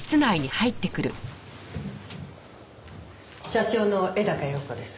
社長の絵高陽子です。